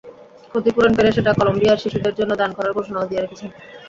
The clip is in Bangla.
ক্ষতিপূরণ পেলে সেটা কলম্বিয়ার শিশুদের জন্য দান করার ঘোষণাও দিয়ে রেখেছেন।